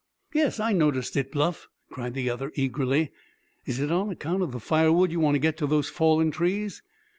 "Yes, I noticed it, Bluff!" cried the other eagerly. "Is it on account of the firewood you want to get to those fallen trees?"